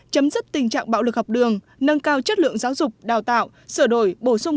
chấm dứt tình trạng bạo lực học đường nâng cao chất lượng giáo dục đào tạo sửa đổi bổ sung